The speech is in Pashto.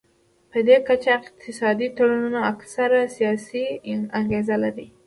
پدې کچه اقتصادي تړونونه اکثره سیاسي انګیزه لري